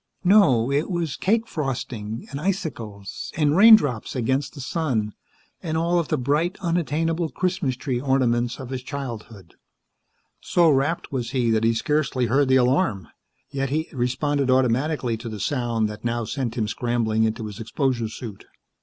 No, it was cake frosting, and icicles, and raindrops against the sun, and all of the bright, unattainable Christmas tree ornaments of his childhood. So rapt was he that he scarcely heard the alarm. Yet he responded automatically to the sound that now sent him scrambling into his exposure suit.